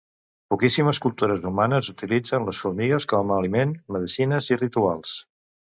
Poquíssimes cultures humanes utilitzen les formigues com a aliment, medecines i rituals.